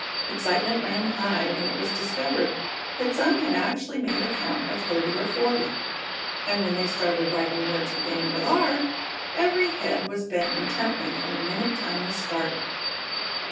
Excitement ran high when it was discovered that some had actually made a count of thirty or forty, and when they started writing words beginning with R every head was bent intently from the minute time was started.